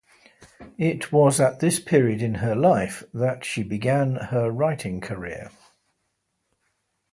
It was at this period in her life that she began her writing career.